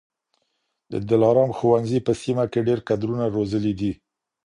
د دلارام ښوونځي په سیمه کي ډېر کدرونه روزلي دي.